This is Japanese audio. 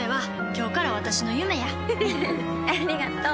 ありがとう。